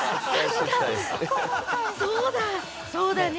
そうだ、そうだね。